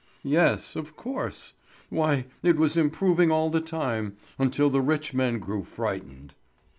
"Yes, of course! Why, it was improving all the time until the rich men grew frightened."